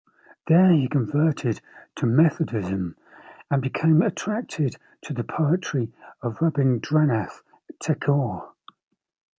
There he converted to Methodism and became attracted to the poetry of Rabindranath Tagore.